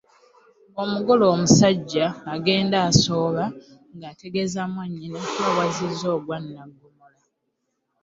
Omugole omusajja agenda asooba ng’ategeeza mwannyina nga bw’azzizza ogwa naggomola.